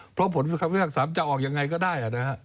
เพราะผลความพิภาคสาห์มันจะออกยังไงก็ได้